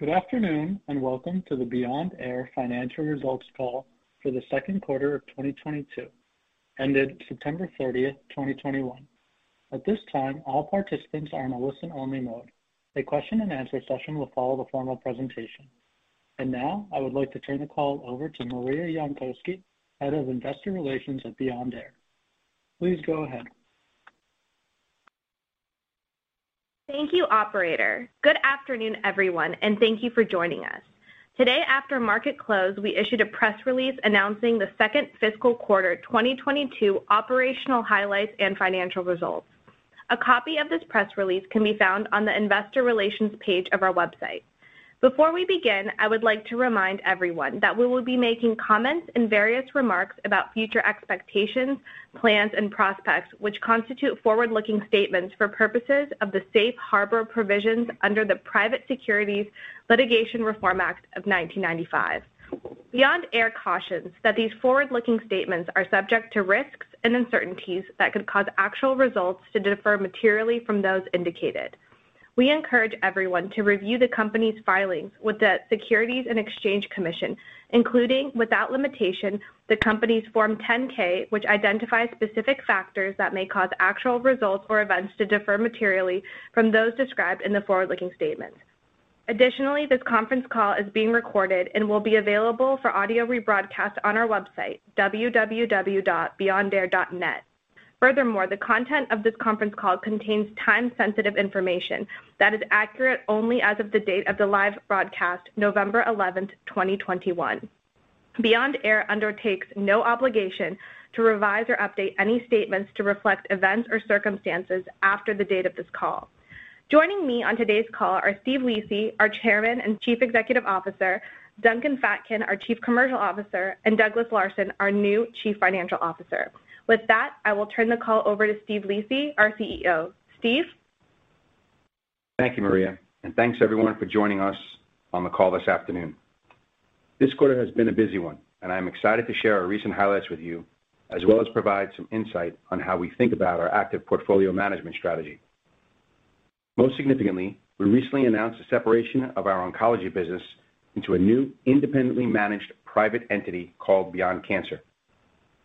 Good afternoon, and welcome to the Beyond Air financial results call for the Q2 of 2022 ended September 30th, 2021. At this time, all participants are in a listen-only mode. A question and answer session will follow the formal presentation. Now, I would like to turn the call over to Maria Yonkoski, Head of Investor Relations at Beyond Air. Please go ahead. Thank you, operator. Good afternoon, everyone, and thank you for joining us. Today, after market close, we issued a press release announcing the second fiscal quarter 2022 operational highlights and financial results. A copy of this press release can be found on the Investor Relations page of our website. Before we begin, I would like to remind everyone that we will be making comments and various remarks about future expectations, plans and prospects, which constitute forward-looking statements for purposes of the safe harbor provisions under the Private Securities Litigation Reform Act of 1995. Beyond Air cautions that these forward-looking statements are subject to risks and uncertainties that could cause actual results to differ materially from those indicated. We encourage everyone to review the company's filings with the Securities and Exchange Commission, including, without limitation, the company's Form 10-K, which identifies specific factors that may cause actual results or events to differ materially from those described in the forward-looking statements. Additionally, this conference call is being recorded and will be available for audio rebroadcast on our website, www.beyondair.net. Furthermore, the content of this conference call contains time-sensitive information that is accurate only as of the date of the live broadcast, November eleventh, twenty twenty-one. Beyond Air undertakes no obligation to revise or update any statements to reflect events or circumstances after the date of this call. Joining me on today's call are Steve Lisi, our Chairman and Chief Executive Officer, Duncan Fatkin, our Chief Commercial Officer, and Douglas Larson, our new Chief Financial Officer. With that, I will turn the call over to Steve Lisi, our CEO. Steve? Thank you, Maria, and thanks everyone for joining us on the call this afternoon. This quarter has been a busy one, and I'm excited to share our recent highlights with you, as well as provide some insight on how we think about our active portfolio management strategy. Most significantly, we recently announced the separation of our oncology business into a new independently managed private entity called Beyond Cancer.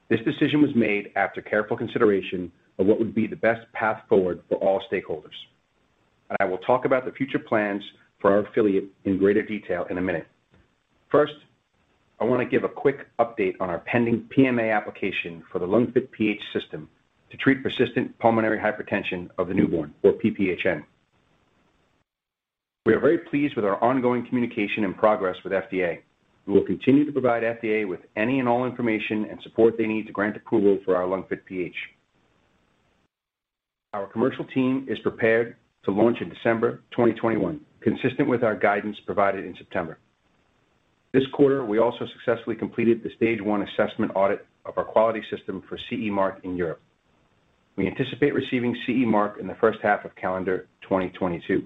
This decision was made after careful consideration of what would be the best path forward for all stakeholders. I will talk about the future plans for our affiliate in greater detail in a minute. First, I want to give a quick update on our pending PMA application for the LungFit PH system to treat persistent pulmonary hypertension of the newborn or PPHN. We are very pleased with our ongoing communication and progress with FDA. We will continue to provide FDA with any and all information and support they need to grant approval for our LungFit PH. Our commercial team is prepared to launch in December 2021, consistent with our guidance provided in September. This quarter, we also successfully completed the stage one assessment audit of our quality system for CE mark in Europe. We anticipate receiving CE mark in the H1 of calendar 2022.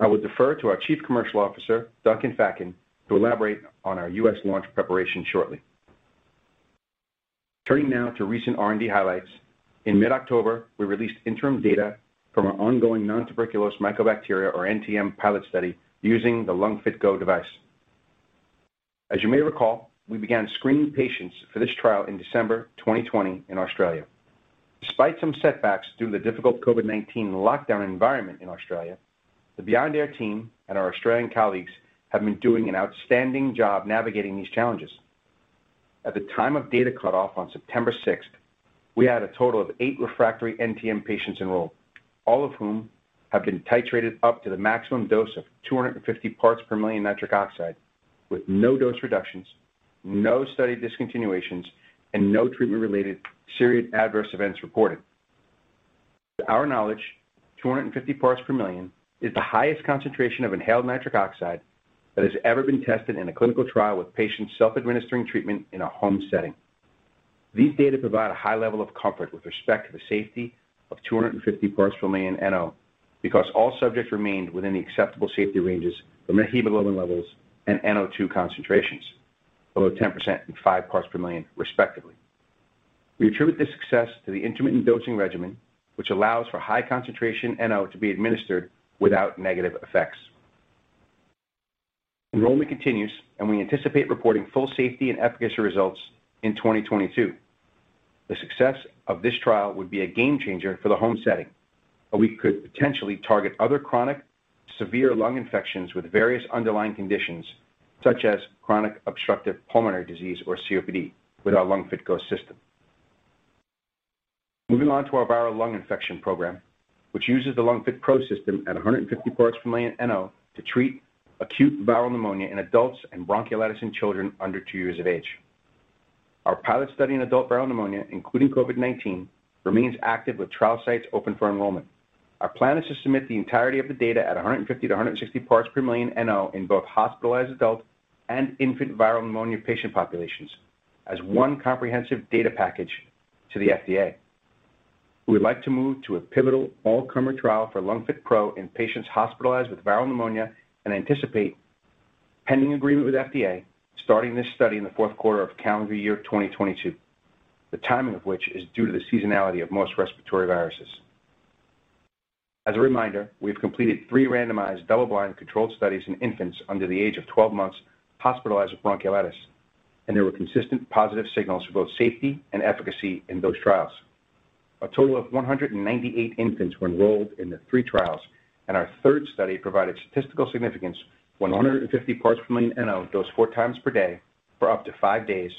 I would defer to our Chief Commercial Officer, Duncan Fatkin, to elaborate on our US launch preparation shortly. Turning now to recent R&D highlights. In mid-October, we released interim data from our ongoing nontuberculous mycobacteria or NTM pilot study using the LungFit GO device. As you may recall, we began screening patients for this trial in December 2020 in Australia. Despite some setbacks due to the difficult COVID-19 lockdown environment in Australia, the Beyond Air team and our Australian colleagues have been doing an outstanding job navigating these challenges. At the time of data cutoff on September sixth, we had a total of eight refractory NTM patients enrolled, all of whom have been titrated up to the maximum dose of 250 parts per million nitric oxide with no dose reductions, no study discontinuations, and no treatment-related serious adverse events reported. To our knowledge, 250 parts per million is the highest concentration of inhaled nitric oxide that has ever been tested in a clinical trial with patients self-administering treatment in a home setting. These data provide a high level of comfort with respect to the safety of 250 parts per million NO because all subjects remained within the acceptable safety ranges for methemoglobin levels and NO2 concentrations, below 10% and 5 parts per million, respectively. We attribute this success to the intermittent dosing regimen, which allows for high concentration NO to be administered without negative effects. Enrollment continues, and we anticipate reporting full safety and efficacy results in 2022. The success of this trial would be a game changer for the home setting, but we could potentially target other chronic severe lung infections with various underlying conditions, such as chronic obstructive pulmonary disease or COPD, with our LungFit GO system. Moving on to our viral lung infection program, which uses the LungFit PRO system at 150 parts per million NO to treat acute viral pneumonia in adults and bronchiolitis in children under two years of age. Our pilot study in adult viral pneumonia, including COVID-19, remains active with trial sites open for enrollment. Our plan is to submit the entirety of the data at 150-160 parts per million NO in both hospitalized adult and infant viral pneumonia patient populations as one comprehensive data package to the FDA. We would like to move to a pivotal all-comer trial for LungFit PRO in patients hospitalized with viral pneumonia and anticipate, pending agreement with FDA, starting this study in the Q4 of calendar year 2022, the timing of which is due to the seasonality of most respiratory viruses. As a reminder, we've completed three randomized double-blind controlled studies in infants under the age of 12 months hospitalized with bronchiolitis, and there were consistent positive signals for both safety and efficacy in those trials. A total of 198 infants were enrolled in the three trials, and our third study provided statistical significance when 150 parts per million NO dosed 4 times per day for up to five days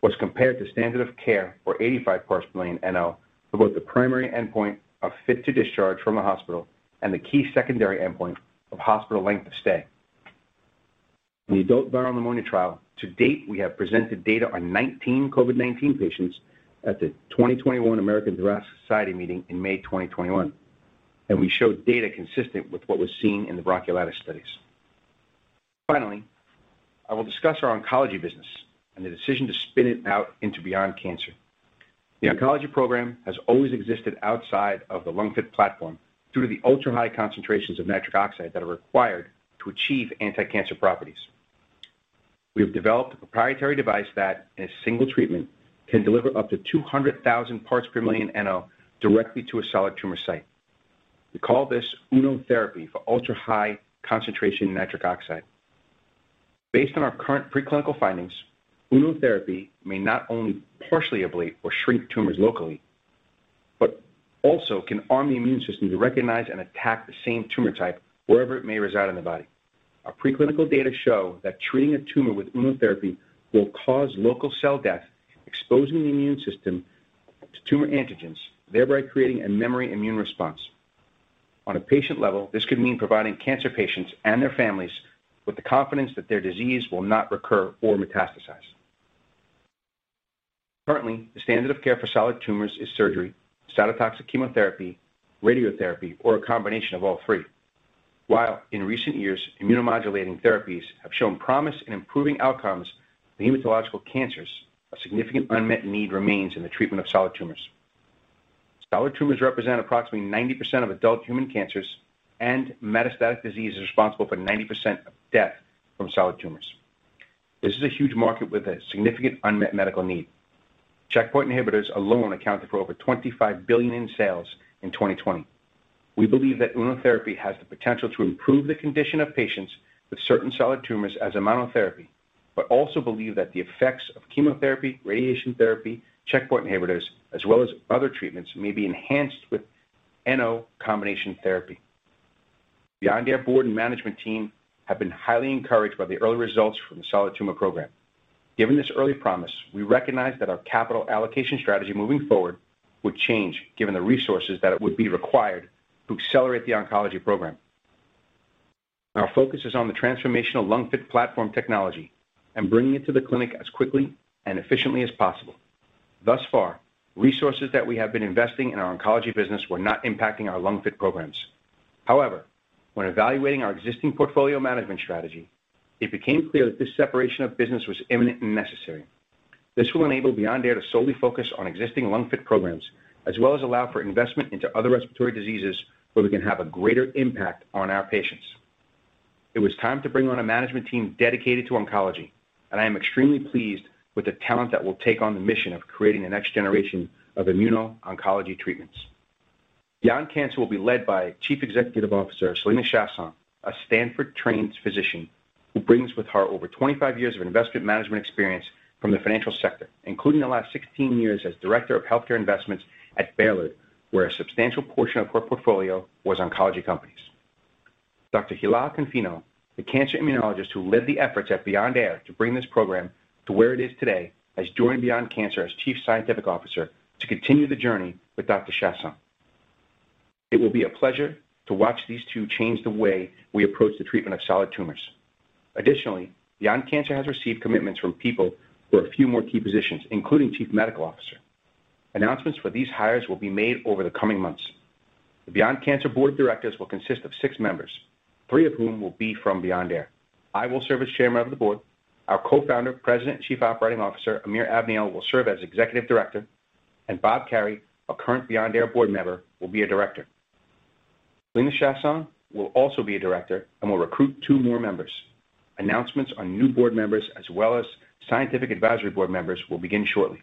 was compared to standard of care for 85 parts per million NO for both the primary endpoint of fit to discharge from the hospital and the key secondary endpoint of hospital length of stay. In the adult viral pneumonia trial, to date, we have presented data on 19 COVID-19 patients at the 2021 American Thoracic Society meeting in May 2021, and we showed data consistent with what was seen in the bronchiolitis studies. Finally, I will discuss our oncology business and the decision to spin it out into Beyond Cancer. The oncology program has always existed outside of the LungFit platform due to the ultra-high concentrations of nitric oxide that are required to achieve anti-cancer properties. We have developed a proprietary device that, in a single treatment, can deliver up to 200,000 ppm NO directly to a solid tumor site. We call this UNO therapy for ultra-high concentration nitric oxide. Based on our current preclinical findings, UNO therapy may not only partially ablate or shrink tumors locally, but also can arm the immune system to recognize and attack the same tumor type wherever it may reside in the body. Our preclinical data show that treating a tumor with UNO therapy will cause local cell death, exposing the immune system to tumor antigens, thereby creating a memory immune response. On a patient level, this could mean providing cancer patients and their families with the confidence that their disease will not recur or metastasize. Currently, the standard of care for solid tumors is surgery, cytotoxic chemotherapy, radiotherapy, or a combination of all three. While in recent years, immunomodulating therapies have shown promise in improving outcomes in hematological cancers, a significant unmet need remains in the treatment of solid tumors. Solid tumors represent approximately 90% of adult human cancers, and metastatic disease is responsible for 90% of death from solid tumors. This is a huge market with a significant unmet medical need. Checkpoint inhibitors alone accounted for over $25 billion in sales in 2020. We believe that UNO therapy has the potential to improve the condition of patients with certain solid tumors as a monotherapy, but also believe that the effects of chemotherapy, radiation therapy, checkpoint inhibitors, as well as other treatments may be enhanced with NO combination therapy. Beyond Air board and management team have been highly encouraged by the early results from the solid tumor program. Given this early promise, we recognize that our capital allocation strategy moving forward would change given the resources that would be required to accelerate the oncology program. Our focus is on the transformational LungFit platform technology and bringing it to the clinic as quickly and efficiently as possible. Thus far, resources that we have been investing in our oncology business were not impacting our LungFit programs. However, when evaluating our existing portfolio management strategy, it became clear that this separation of business was imminent and necessary. This will enable Beyond Air to solely focus on existing LungFit programs as well as allow for investment into other respiratory diseases where we can have a greater impact on our patients. It was time to bring on a management team dedicated to oncology, and I am extremely pleased with the talent that will take on the mission of creating the next generation of immuno-oncology treatments. Beyond Cancer will be led by Chief Executive Officer Selena Chaisson, a Stanford-trained physician who brings with her over 25 years of investment management experience from the financial sector, including the last 16 years as Director of Healthcare Investments at Bailard, where a substantial portion of her portfolio was oncology companies. Dr. Hila Confino, the cancer immunologist who led the efforts at Beyond Air to bring this program to where it is today, has joined Beyond Cancer as Chief Scientific Officer to continue the journey with Dr. Chaisson. It will be a pleasure to watch these two change the way we approach the treatment of solid tumors. Additionally, Beyond Cancer has received commitments from people for a few more key positions, including Chief Medical Officer. Announcements for these hires will be made over the coming months. The Beyond Cancer board of directors will consist of six members, three of whom will be from Beyond Air. I will serve as chairman of the board. Our co-founder, President, Chief Operating Officer Amir Avniel will serve as Executive Director, and Bob Carey, a current Beyond Air board member, will be a director. Selena Chaisson will also be a director and will recruit two more members. Announcements on new board members as well as scientific advisory board members will begin shortly.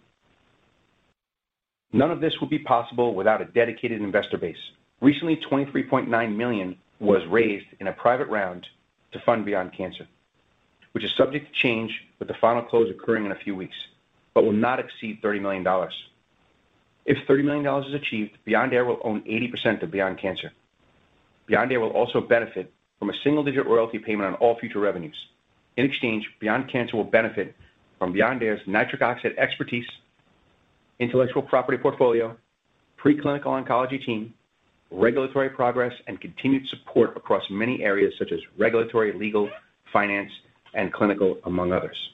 None of this would be possible without a dedicated investor base. Recently, $23.9 million was raised in a private round to fund Beyond Cancer, which is subject to change with the final close occurring in a few weeks, but will not exceed $30 million. If $30 million is achieved, Beyond Air will own 80% of Beyond Cancer. Beyond Air will also benefit from a single-digit royalty payment on all future revenues. In exchange, Beyond Cancer will benefit from Beyond Air's nitric oxide expertise, intellectual property portfolio, preclinical oncology team, regulatory progress, and continued support across many areas such as regulatory, legal, finance, and clinical, among others.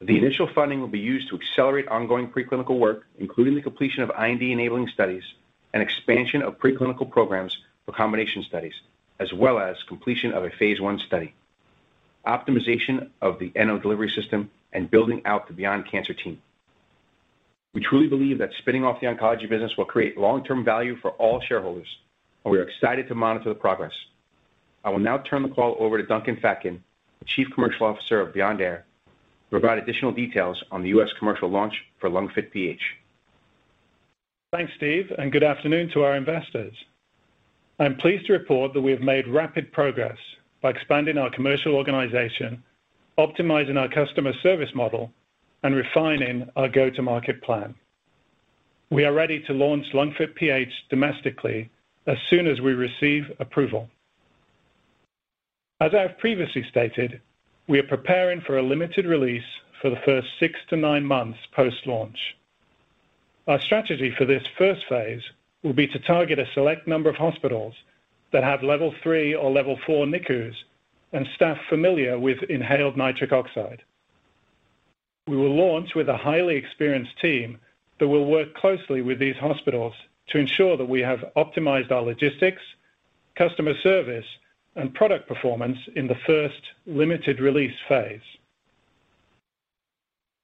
The initial funding will be used to accelerate ongoing preclinical work, including the completion of IND-enabling studies and expansion of preclinical programs for combination studies, as well as completion of a phase I study, optimization of the NO delivery system, and building out the Beyond Cancer team. We truly believe that spinning off the oncology business will create long-term value for all shareholders, and we are excited to monitor the progress. I will now turn the call over to Duncan Fatkin, the Chief Commercial Officer of Beyond Air, to provide additional details on the U.S. commercial launch for LungFit PH. Thanks, Steve, and good afternoon to our investors. I'm pleased to report that we have made rapid progress by expanding our commercial organization, optimizing our customer service model, and refining our go-to-market plan. We are ready to launch LungFit PH domestically as soon as we receive approval. As I have previously stated, we are preparing for a limited release for the first 6-9 months post-launch. Our strategy for this first phase will be to target a select number of hospitals that have level three or level four NICUs and staff familiar with inhaled nitric oxide. We will launch with a highly experienced team that will work closely with these hospitals to ensure that we have optimized our logistics, customer service, and product performance in the first limited release phase.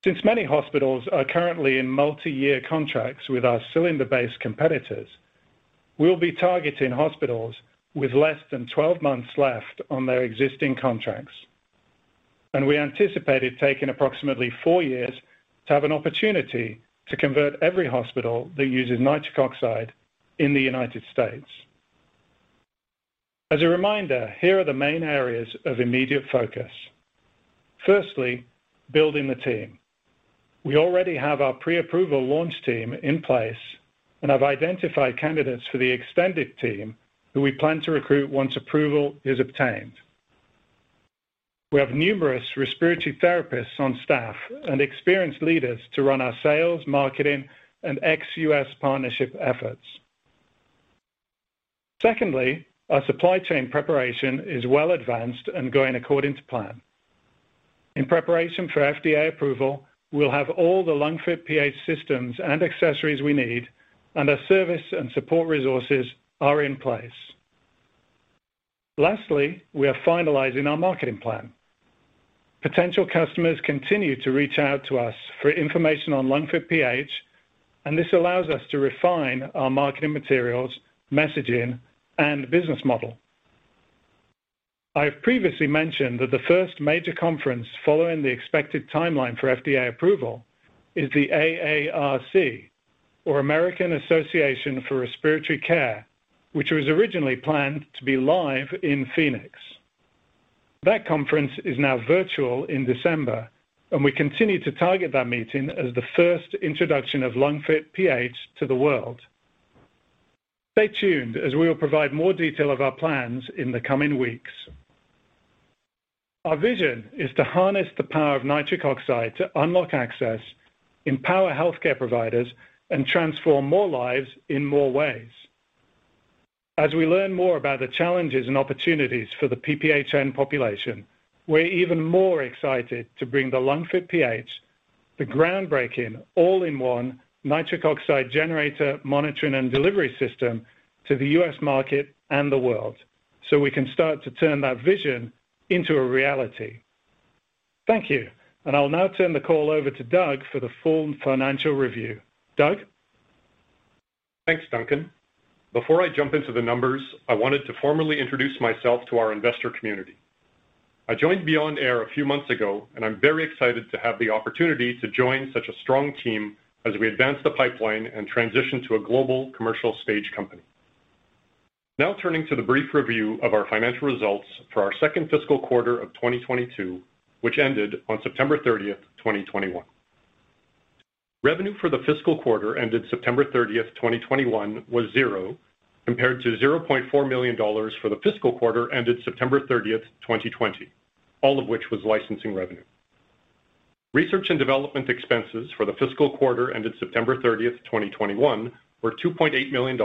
Since many hospitals are currently in multi-year contracts with our cylinder-based competitors, we'll be targeting hospitals with less than 12 months left on their existing contracts. We anticipate it taking approximately years to have an opportunity to convert every hospital that uses nitric oxide in the United States. As a reminder, here are the main areas of immediate focus. Firstly, building the team. We already have our pre-approval launch team in place and have identified candidates for the extended team who we plan to recruit once approval is obtained. We have numerous respiratory therapists on staff and experienced leaders to run our sales, marketing, and ex-US partnership efforts. Secondly, our supply chain preparation is well advanced and going according to plan. In preparation for FDA approval, we'll have all the LungFit PH systems and accessories we need, and our service and support resources are in place. Lastly, we are finalizing our marketing plan. Potential customers continue to reach out to us for information on LungFit PH, and this allows us to refine our marketing materials, messaging, and business model. I have previously mentioned that the first major conference following the expected timeline for FDA approval is the AARC or American Association for Respiratory Care, which was originally planned to be live in Phoenix. That conference is now virtual in December, and we continue to target that meeting as the first introduction of LungFit PH to the world. Stay tuned as we will provide more detail of our plans in the coming weeks. Our vision is to harness the power of nitric oxide to unlock access, empower healthcare providers, and transform more lives in more ways. As we learn more about the challenges and opportunities for the PPHN population, we're even more excited to bring the LungFit PH, the groundbreaking all-in-one nitric oxide generator monitoring and delivery system to the U.S. market and the world, so we can start to turn that vision into a reality. Thank you. I'll now turn the call over to Doug for the full financial review. Doug. Thanks, Duncan. Before I jump into the numbers, I wanted to formally introduce myself to our investor community. I joined Beyond Air a few months ago, and I'm very excited to have the opportunity to join such a strong team as we advance the pipeline and transition to a global commercial stage company. Now turning to the brief review of our financial results for our second fiscal quarter of 2022, which ended on September 30th, 2021. Revenue for the fiscal quarter ended September 30th, 2021 was $0 compared to $0.4 million for the fiscal quarter ended September 30th, 2020, all of which was licensing revenue. Research and development expenses for the fiscal quarter ended September 30th, 2021 were $2.8 million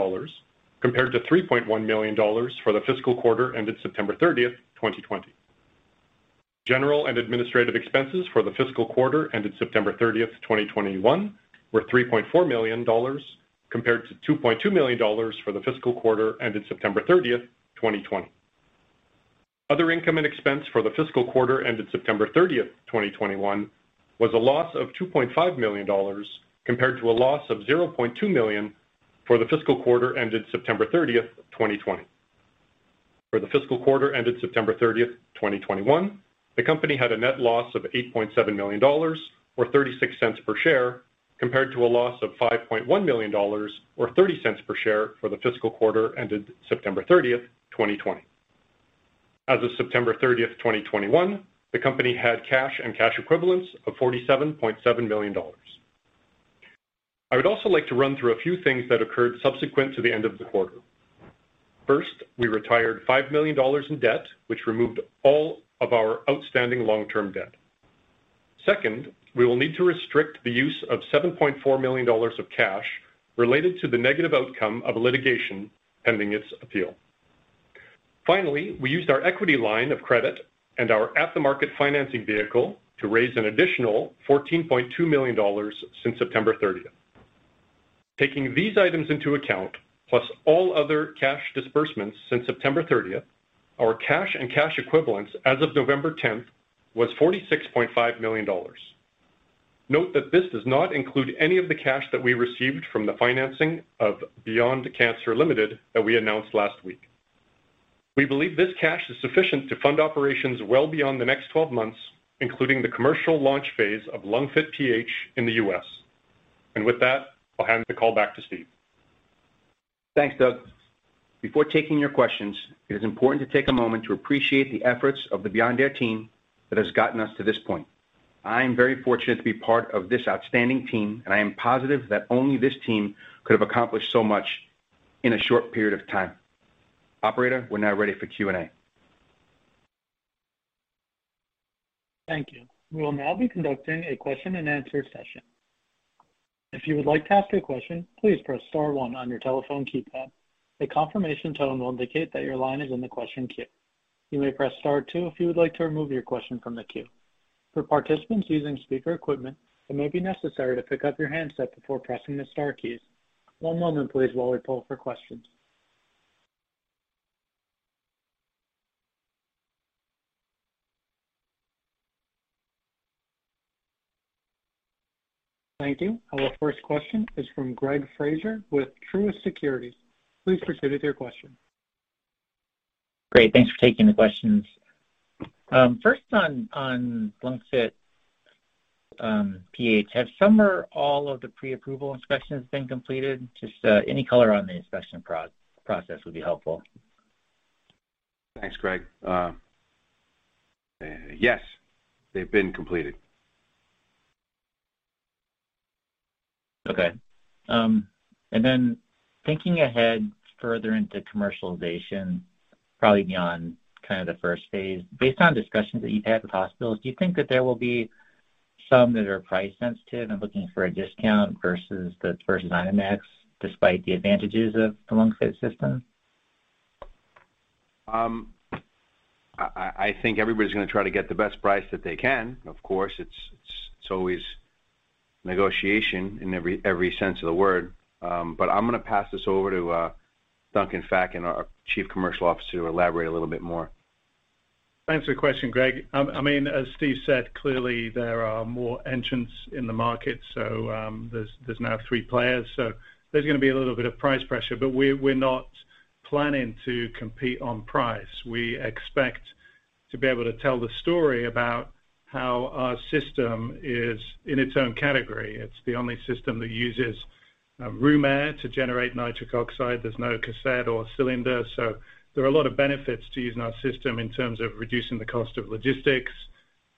compared to $3.1 million for the fiscal quarter ended September 30th, 2020. General and administrative expenses for the fiscal quarter ended September 30th, 2021 were $3.4 million compared to $2.2 million for the fiscal quarter ended September 30th, 2020. Other income and expense for the fiscal quarter ended September 30th, 2021 was a loss of $2.5 million compared to a loss of $0.2 million for the fiscal quarter ended September 30th, 2020. For the fiscal quarter ended September 30th, 2021, the company had a net loss of $8.7 million or $0.36 per share, compared to a loss of $5.1 million or $0.30 per share for the fiscal quarter ended September 30th, 2020. As of September 30th, 2021, the company had cash and cash equivalents of $47.7 million. I would also like to run through a few things that occurred subsequent to the end of the quarter. First, we retired $5 million in debt, which removed all of our outstanding long-term debt. Second, we will need to restrict the use of $7.4 million of cash related to the negative outcome of a litigation pending its appeal. Finally, we used our equity line of credit and our at-the-market financing vehicle to raise an additional $14.2 million since September 30th. Taking these items into account, plus all other cash disbursements since September 30th, our cash and cash equivalents as of November 10th was $46.5 million. Note that this does not include any of the cash that we received from the financing of Beyond Cancer, Ltd. that we announced last week. We believe this cash is sufficient to fund operations well beyond the next 12 months, including the commercial launch phase of LungFit PH in the U.S. With that, I'll hand the call back to Steve. Thanks, Doug. Before taking your questions, it is important to take a moment to appreciate the efforts of the Beyond Air team that has gotten us to this point. I am very fortunate to be part of this outstanding team, and I am positive that only this team could have accomplished so much in a short period of time. Operator, we're now ready for Q&A. Thank you. We will now be conducting a question-and-answer session. If you would like to ask a question, please press star one on your telephone keypad. A confirmation tone will indicate that your line is in the question queue. You may press star two if you would like to remove your question from the queue. For participants using speaker equipment, it may be necessary to pick up your handset before pressing the star keys. One moment please while we poll for questions. Thank you. Our first question is from Greg Fraser with Truist Securities. Please proceed with your question. Great. Thanks for taking the questions. First on LungFit PH, have some or all of the pre-approval inspections been completed? Just any color on the inspection process would be helpful. Thanks, Greg. Yes, they've been completed. Okay. Thinking ahead further into commercialization, probably beyond kind of the first phase, based on discussions that you've had with hospitals, do you think that there will be some that are price sensitive and looking for a discount versus INOmax despite the advantages of the LungFit system? I think everybody's gonna try to get the best price that they can. Of course, it's always negotiation in every sense of the word. I'm gonna pass this over to Duncan Fatkin, our Chief Commercial Officer, to elaborate a little bit more. Thanks for the question, Greg. I mean, as Steve said, clearly there are more entrants in the market. There's now three players. There's gonna be a little bit of price pressure. We're not planning to compete on price. We expect to be able to tell the story about how our system is in its own category. It's the only system that uses room air to generate nitric oxide. There's no cassette or cylinder. There are a lot of benefits to using our system in terms of reducing the cost of logistics,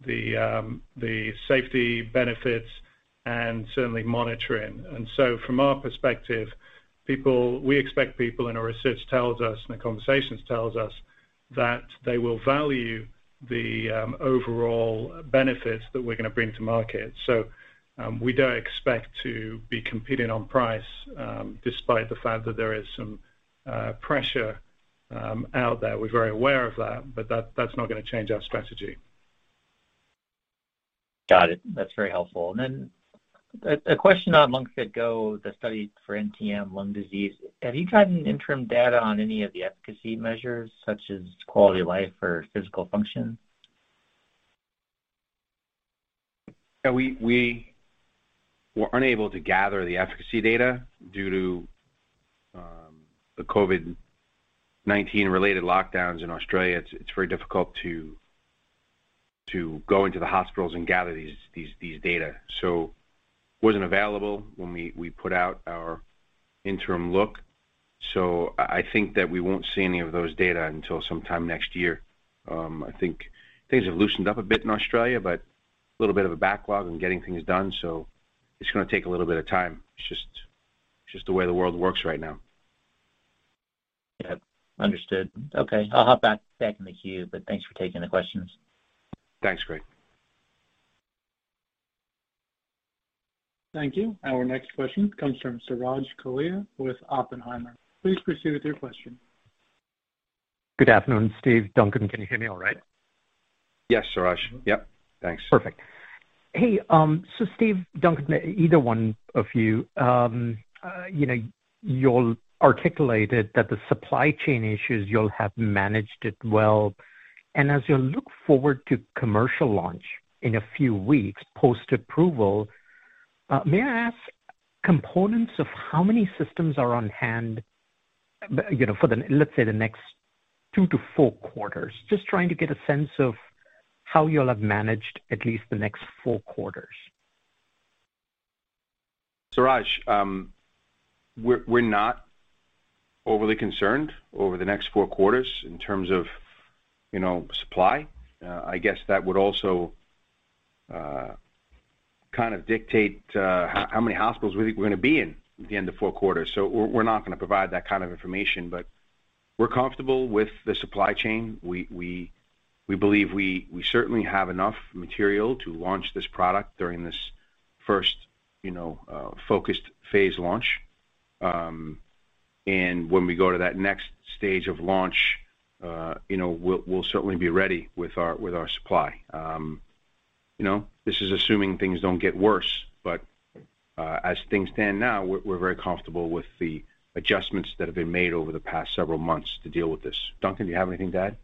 the safety benefits, and certainly monitoring. From our perspective, people. We expect people, and our research tells us, and the conversations tells us, that they will value the overall benefits that we're gonna bring to market. We don't expect to be competing on price, despite the fact that there is some pressure out there. We're very aware of that, but that's not gonna change our strategy. Got it. That's very helpful. A question on LungFit GO, the study for NTM lung disease. Have you gotten interim data on any of the efficacy measures such as quality of life or physical function? Yeah. We were unable to gather the efficacy data due to the COVID-19 related lockdowns in Australia. It's very difficult to go into the hospitals and gather these data. It wasn't available when we put out our interim look. I think that we won't see any of those data until sometime next year. I think things have loosened up a bit in Australia, but a little bit of a backlog in getting things done. It's gonna take a little bit of time. It's just the way the world works right now. Yeah. Understood. Okay. I'll hop back in the queue, but thanks for taking the questions. Thanks, Greg. Thank you. Our next question comes from Suraj Kalia with Oppenheimer. Please proceed with your question. Good afternoon, Steve. Duncan, can you hear me all right? Yes, Suraj. Yep. Thanks. Perfect. Hey, Steve, Duncan, either one of you know, you all articulated that the supply chain issues, you all have managed it well. As you look forward to commercial launch in a few weeks, post-approval, may I ask about how many systems are on hand, you know, for the, let's say, the next two to four quarters? Just trying to get a sense of how you all have managed at least the next four quarters. Suraj, we're not overly concerned over the next four quarters in terms of, you know, supply. I guess that would also kind of dictate how many hospitals we think we're gonna be in at the end of four quarters. We're not gonna provide that kind of information, but we're comfortable with the supply chain. We believe we certainly have enough material to launch this product during this first, you know, focused phase launch. When we go to that next stage of launch, you know, we'll certainly be ready with our supply. You know, this is assuming things don't get worse, but as things stand now, we're very comfortable with the adjustments that have been made over the past several months to deal with this. Duncan, do you have anything to add?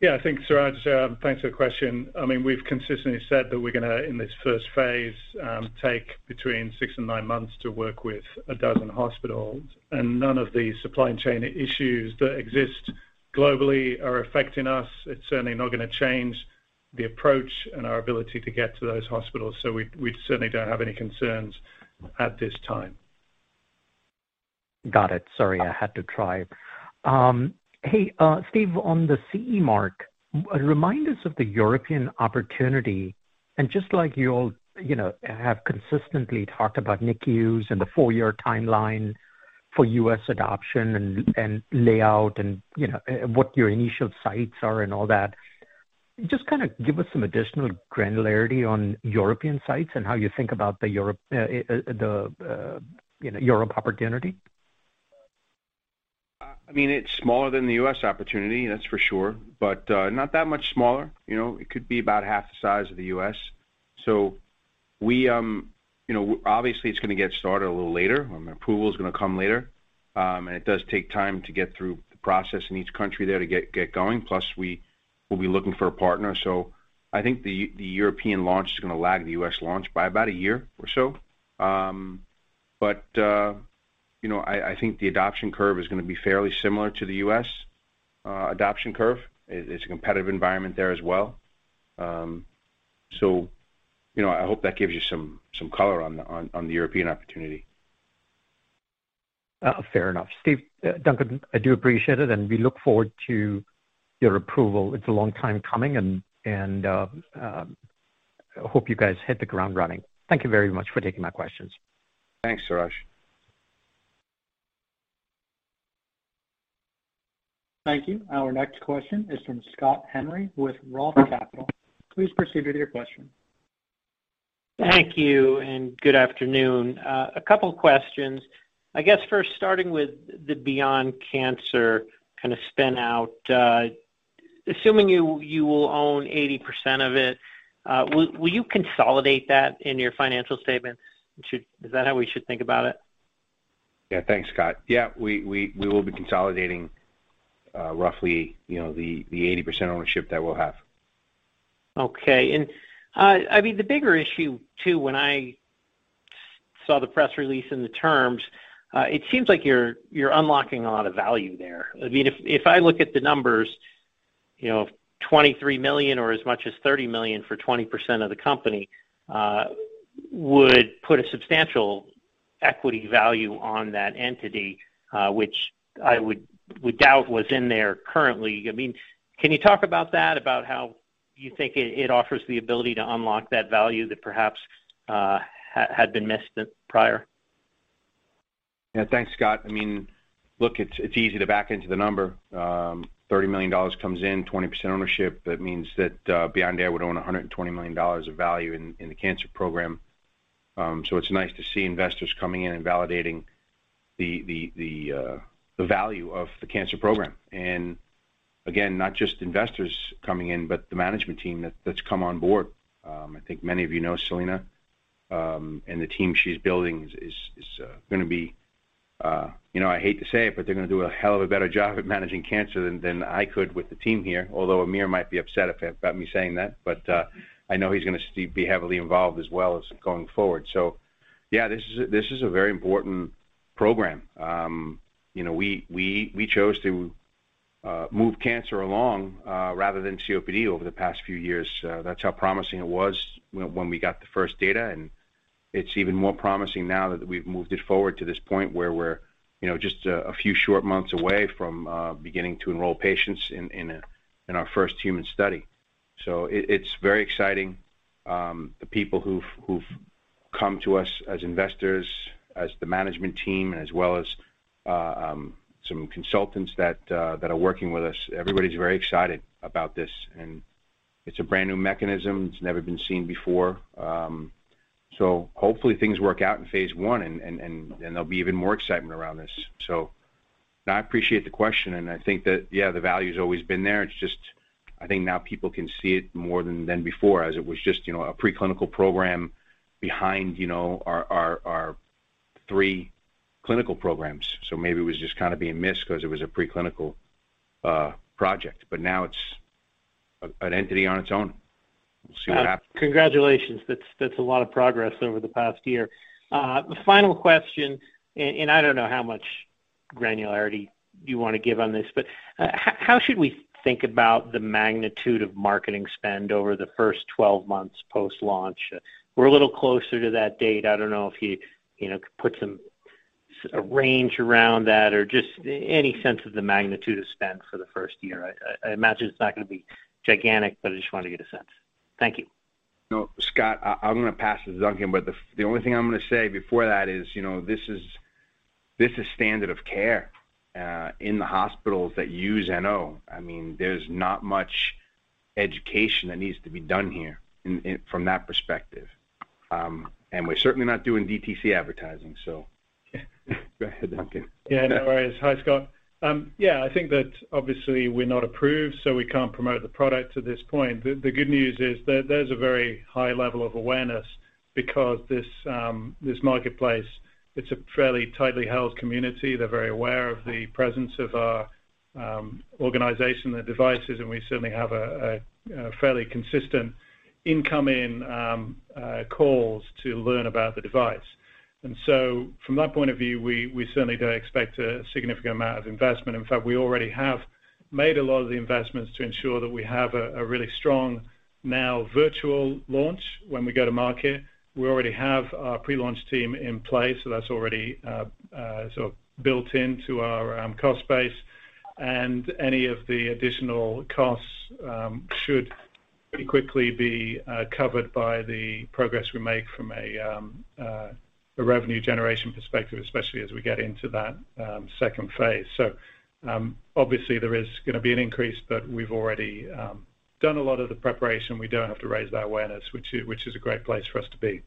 Yeah, I think Suraj, thanks for the question. I mean, we've consistently said that we're gonna, in this first phase, take between 6-9 months to work with a dozen hospitals, and none of the supply chain issues that exist globally are affecting us. It's certainly not gonna change the approach and our ability to get to those hospitals, so we certainly don't have any concerns at this time. Got it. Sorry, I had to try. Hey, Steve, on the CE mark, remind us of the European opportunity and just like you all, you know, have consistently talked about NICUs and the four-year timeline for U.S. adoption and rollout and, you know, what your initial sites are and all that. Just kinda give us some additional granularity on European sites and how you think about the European opportunity. I mean, it's smaller than the U.S. opportunity, that's for sure. Not that much smaller, you know? It could be about half the size of the U.S. We, you know, obviously it's gonna get started a little later, approval's gonna come later, and it does take time to get through the process in each country there to get going, plus we will be looking for a partner. I think the European launch is gonna lag the U.S. launch by about a year or so. You know, I think the adoption curve is gonna be fairly similar to the U.S. adoption curve. It's a competitive environment there as well. You know, I hope that gives you some color on the European opportunity. Fair enough. Steve, Duncan, I do appreciate it, and we look forward to your approval. It's a long time coming and hope you guys hit the ground running. Thank you very much for taking my questions. Thanks, Suraj. Thank you. Our next question is from Scott Henry with Roth Capital. Please proceed with your question. Thank you, and good afternoon. A couple questions. I guess first starting with the Beyond Cancer kind of spin-out. Assuming you will own 80% of it, will you consolidate that in your financial statement? Is that how we should think about it? Yeah. Thanks, Scott. Yeah. We will be consolidating roughly, you know, the 80% ownership that we'll have. Okay. I mean, the bigger issue too, when I saw the press release and the terms, it seems like you're unlocking a lot of value there. I mean, if I look at the numbers, you know, $23 million or as much as $30 million for 20% of the company would put a substantial equity value on that entity, which I would doubt was in there currently. I mean, can you talk about that, about how you think it offers the ability to unlock that value that perhaps had been missed prior? Yeah. Thanks, Scott. I mean, look, it's easy to back into the number. $30 million comes in, 20% ownership, that means that Beyond Air would own $120 million of value in the cancer program. So it's nice to see investors coming in and validating the value of the cancer program. Again, not just investors coming in, but the management team that's come on board. I think many of you know Selena, and the team she's building is gonna be, you know, I hate to say it, but they're gonna do a hell of a better job at managing cancer than I could with the team here. Although Amir might be upset about me saying that, I know he's gonna be heavily involved as well going forward. Yeah, this is a very important program. You know, we chose to move cancer along rather than COPD over the past few years. That's how promising it was when we got the first data, and it's even more promising now that we've moved it forward to this point where we're just a few short months away from beginning to enroll patients in our first human study. It's very exciting. The people who've come to us as investors, as the management team, as well as some consultants that are working with us, everybody's very excited about this, and it's a brand-new mechanism. It's never been seen before. So hopefully things work out in phase I and there'll be even more excitement around this. I appreciate the question, and I think that, yeah, the value's always been there. It's just, I think now people can see it more than before as it was just, you know, a preclinical program behind, you know, our three clinical programs. So maybe it was just kinda being missed 'cause it was a preclinical project, but now it's an entity on its own. We'll see what happens. Congratulations. That's a lot of progress over the past year. Final question, and I don't know how much granularity you wanna give on this, but how should we think about the magnitude of marketing spend over the first 12 months post-launch? We're a little closer to that date. I don't know if you know, could put a range around that or just any sense of the magnitude of spend for the first year. I imagine it's not gonna be gigantic, but I just wanted to get a sense. Thank you. No, Scott, I'm gonna pass to Duncan, but the only thing I'm gonna say before that is, you know, this is standard of care in the hospitals that use NO. I mean, there's not much education that needs to be done here in from that perspective, we're certainly not doing DTC advertising. Go ahead, Duncan. Yeah, no worries. Hi, Scott. Yeah, I think that obviously we're not approved, so we can't promote the product at this point. The good news is there's a very high level of awareness because this marketplace, it's a fairly tightly held community. They're very aware of the presence of our organization, the devices, and we certainly have a fairly consistent incoming calls to learn about the device. So from that point of view, we certainly don't expect a significant amount of investment. In fact, we already have made a lot of the investments to ensure that we have a really strong now virtual launch when we go to market. We already have our pre-launch team in place, so that's already sort of built into our cost base. Any of the additional costs should pretty quickly be covered by the progress we make from a revenue generation perspective, especially as we get into that second phase. Obviously there is gonna be an increase, but we've already done a lot of the preparation. We don't have to raise that awareness, which is a great place for us to be.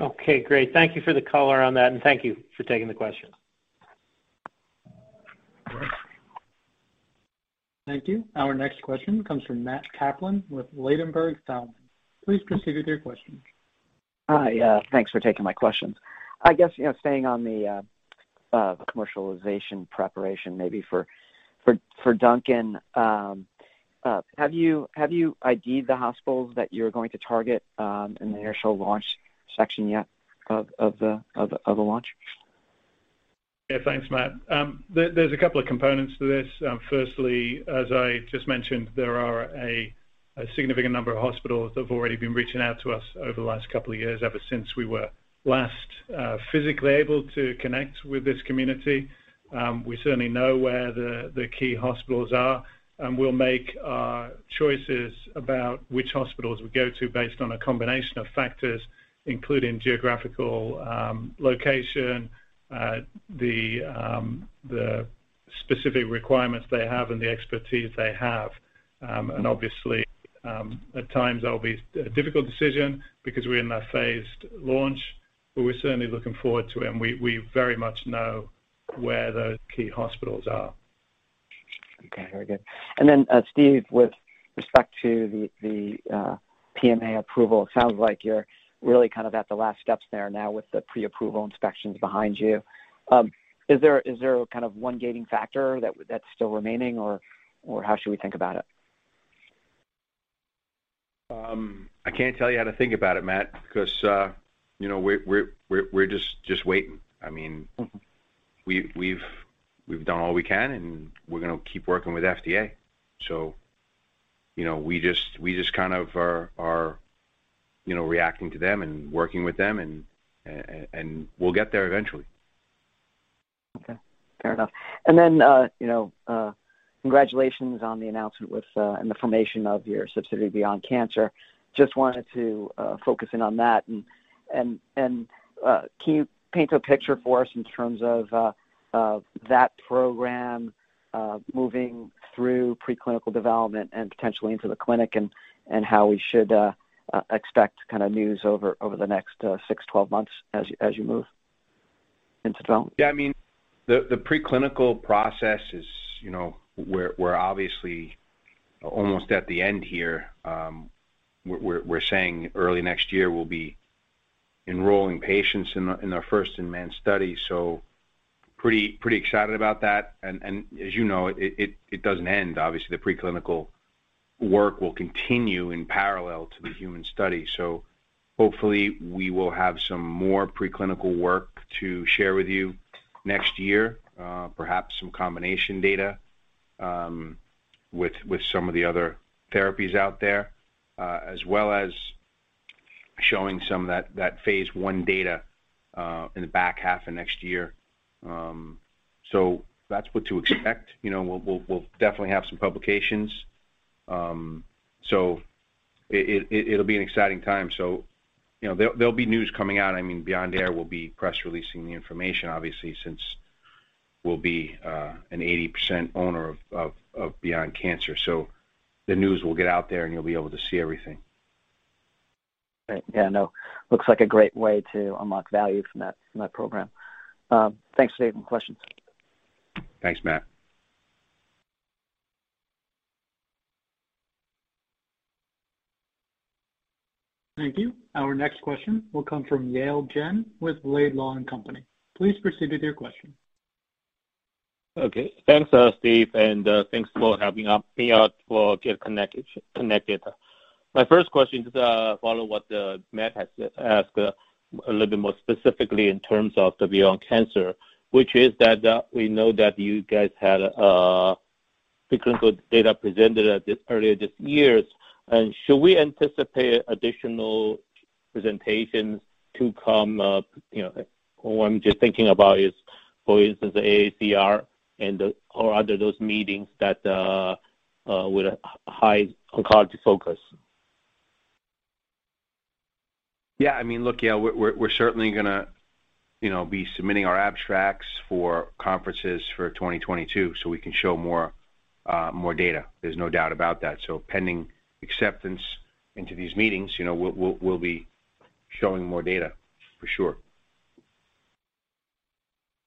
Okay, great. Thank you for the color on that, and thank you for taking the question. Thank you. Our next question comes from Matt Kaplan with Ladenburg Thalmann. Please proceed with your question. Hi, thanks for taking my questions. I guess, you know, staying on the commercialization preparation maybe for Duncan, have you ID'd the hospitals that you're going to target in the initial launch section yet of the launch? Yeah, thanks, Matt. There's a couple of components to this. Firstly, as I just mentioned, there are a significant number of hospitals that have already been reaching out to us over the last couple of years ever since we were last physically able to connect with this community. We certainly know where the key hospitals are, and we'll make choices about which hospitals we go to based on a combination of factors, including geographical location, the specific requirements they have and the expertise they have. Obviously, at times that'll be a difficult decision because we're in that phased launch, but we're certainly looking forward to it. We very much know where those key hospitals are. Okay, very good. Steve, with respect to the PMA approval, it sounds like you're really kind of at the last steps there now with the pre-approval inspections behind you. Is there a kind of one gating factor that's still remaining or how should we think about it? I can't tell you how to think about it, Matt, 'cause, you know, we're just waiting. I mean Mm-hmm We've done all we can, and we're gonna keep working with FDA. You know, we just kind of are, you know, reacting to them and working with them, and we'll get there eventually. Okay. Fair enough. Then, you know, congratulations on the announcement with and the formation of your subsidiary Beyond Cancer. Just wanted to focus in on that and can you paint a picture for us in terms of of that program moving through preclinical development and potentially into the clinic and how we should expect kind of news over the next 6-12 months as you move into development? Yeah, I mean, the preclinical process is, you know, we're saying early next year we'll be enrolling patients in our first in-man study, so pretty excited about that. As you know, it doesn't end. Obviously, the preclinical work will continue in parallel to the human study. Hopefully we will have some more preclinical work to share with you next year, perhaps some combination data with some of the other therapies out there, as well as showing some of that phase I data in the back half of next year. That's what to expect. You know, we'll definitely have some publications. It'll be an exciting time. You know, there'll be news coming out. I mean, Beyond Air will be press releasing the information obviously since we'll be an 80% owner of Beyond Cancer. The news will get out there and you'll be able to see everything. Great. Yeah, no, looks like a great way to unlock value from that program. Thanks, Steve. Questions. Thanks, Matt. Thank you. Our next question will come from Yale Jen with Laidlaw & Company. Please proceed with your question. Okay. Thanks, Steve, and thanks for helping me out getting connected. My first question just follows what Matt has asked a little bit more specifically in terms of Beyond Cancer, which is that we know that you guys had preclinical data presented earlier this year. Should we anticipate additional presentations to come up, you know? What I'm just thinking about is, for instance, the AACR or other those meetings that have a high oncology focus. Yeah, I mean, look, Yale, we're certainly gonna, you know, be submitting our abstracts for conferences for 2022, so we can show more data. There's no doubt about that. Pending acceptance into these meetings, you know, we'll be showing more data for sure.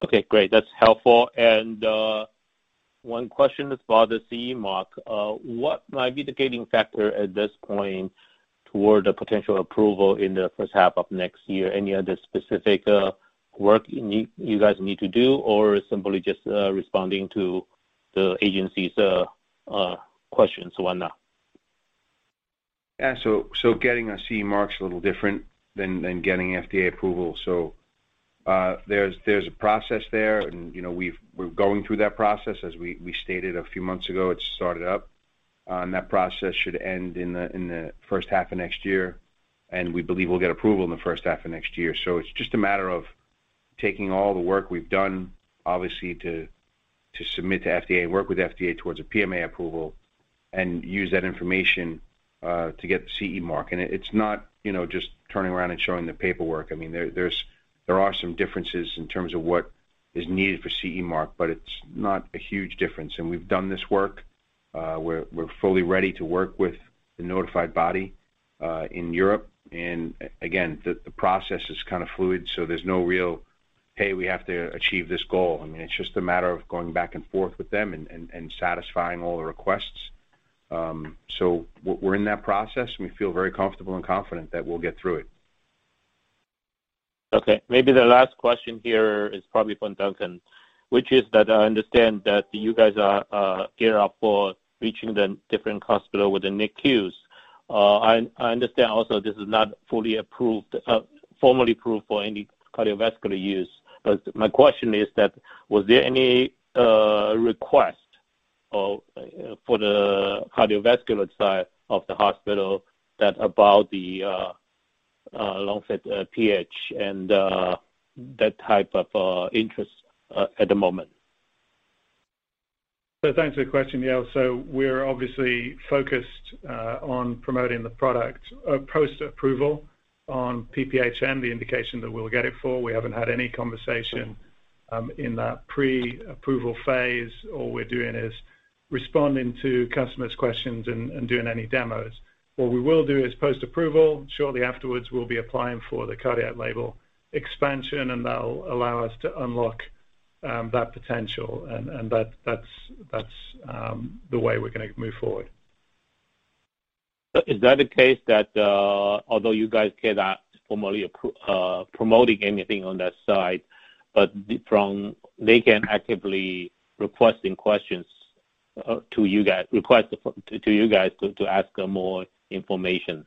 Okay, great. That's helpful. One question is for the CE mark. What might be the gating factor at this point toward the potential approval in the H1 of next year? Any other specific work you guys need to do, or simply just responding to the agency's questions, whatnot? Yeah. Getting a CE mark's a little different than getting FDA approval. There's a process there, and you know, we're going through that process. As we stated a few months ago, it started up, and that process should end in the H1 of next year, and we believe we'll get approval in the H1 of next year. It's just a matter of taking all the work we've done, obviously to submit to FDA, work with FDA towards a PMA approval and use that information to get the CE mark. It's not, you know, just turning around and showing the paperwork. I mean, there are some differences in terms of what is needed for CE mark, but it's not a huge difference. We've done this work. We're fully ready to work with the notified body in Europe. Again, the process is kind of fluid, so there's no real "Hey, we have to achieve this goal." I mean, it's just a matter of going back and forth with them and satisfying all the requests. So we're in that process, and we feel very comfortable and confident that we'll get through it. Okay. Maybe the last question here is probably for Duncan, which is that I understand that you guys are geared up for reaching the different hospital with the NICUs. I understand also this is not fully approved, formally approved for any cardiovascular use. My question is that, was there any request or for the cardiovascular side of the hospital that about the LungFit PH and that type of interest at the moment? Thanks for the question, Yale. We're obviously focused on promoting the product post-approval on PPHN, the indication that we'll get it for. We haven't had any conversation in that pre-approval phase. All we're doing is responding to customers' questions and doing any demos. What we will do is post-approval. Shortly afterwards, we'll be applying for the cardiac label expansion, and that'll allow us to unlock that potential and that's the way we're gonna move forward. is that a case that although you guys cannot formally promote anything on that side, but they can actively request questions to you guys to ask more information?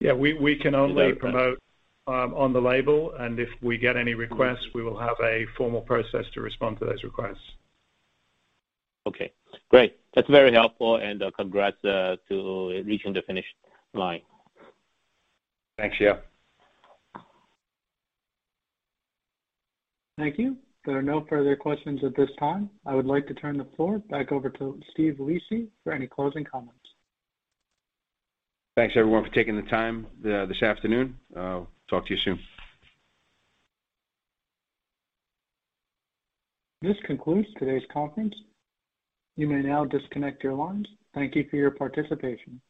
Yeah. We can only- Is that- promote on the label, and if we get any requests, we will have a formal process to respond to those requests. Okay, great. That's very helpful, and, congrats, to reaching the finish line. Thanks, Yale. Thank you. There are no further questions at this time. I would like to turn the floor back over to Steve Lisi for any closing comments. Thanks everyone for taking the time this afternoon. I'll talk to you soon. This concludes today's conference. You may now disconnect your lines. Thank you for your participation.